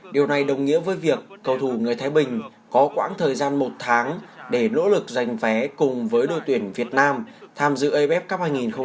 điều này đồng nghĩa với việc cầu thủ người thái bình có quãng thời gian một tháng để nỗ lực giành vé cùng với đội tuyển việt nam tham dự af cup hai nghìn một mươi chín